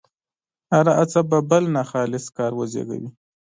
هره هڅه به بل ناخالص کار وزېږوي.